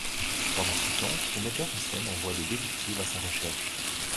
Pendant ce temps, son metteur en scène envoie des détectives à sa recherche.